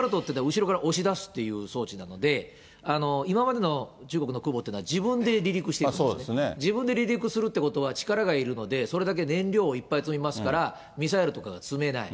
カタパルトって後ろから押し出すっていう装置なので、今までの中国の空母っていうのは、自分で離陸してます、自分で離陸するってことは、力がいるので、それだけ燃料をいっぱい積みますから、ミサイルとか積めない。